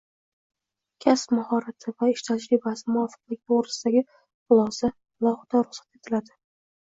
kasb mahorati va ish tajribasi muvofiqligi to‘g‘risidagi xulosasi asosida ruxsat etiladi.